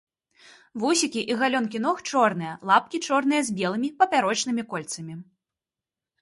Вусікі і галёнкі ног чорныя, лапкі чорныя з белымі папярочнымі кольцамі.